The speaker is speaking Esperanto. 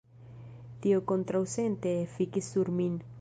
Tio kontraŭsente efikis sur min.